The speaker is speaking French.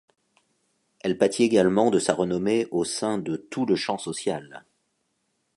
Elle pâtit également de sa renommée au sein de tout le champ social.